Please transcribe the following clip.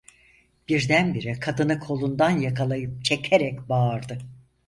Birdenbire kadını kolundan yakalayıp çekerek bağırdı: